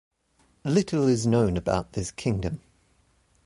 Little is known about this kingdom.